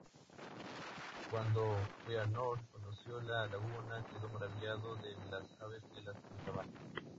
Cuando Fëanor conoció la Laguna quedó maravillado de las aves que la habitaban.